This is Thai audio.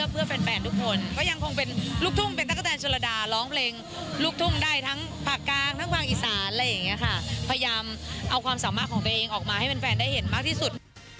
พยายามเอาความสามารถของตัวเองออกมาให้เป็นแฟนได้เห็นมากที่สุด